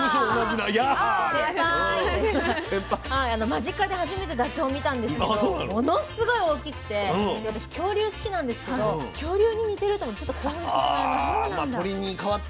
間近で初めてダチョウを見たんですけどものすごい大きくて私恐竜好きなんですけど恐竜に似てると思ってちょっと興奮してしまいました。